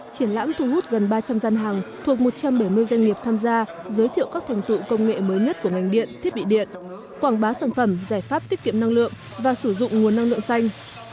triển lãm thu hút gần ba trăm linh gian hàng thuộc một trăm bảy mươi doanh nghiệp tham gia giới thiệu các thành tựu công nghệ mới nhất của ngành điện thiết bị điện quảng bá sản phẩm giải pháp tiết kiệm năng lượng và sử dụng nguồn năng lượng xanh